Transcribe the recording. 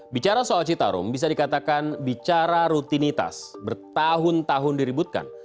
bicara soal citarum bisa dikatakan bicara rutinitas bertahun tahun diributkan